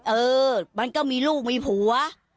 เออมันก็มีลูกมีผัว